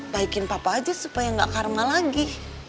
baikin papa aja supaya nggak karma lagi